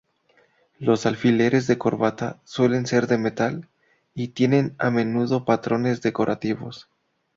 Los alfileres de corbata suelen ser de metal y tienen a menudo patrones decorativos.